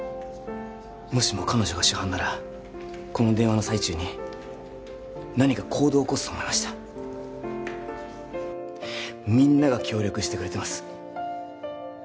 もしも彼女が主犯ならこの電話の最中に何か行動を起こすと思いましたみんなが協力してくれてます